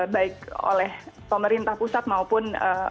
baik oleh pemerintah pusat maupun